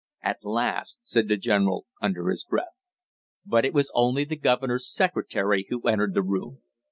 "At last!" said the general, under his breath. But it was only the governor's secretary who entered the room.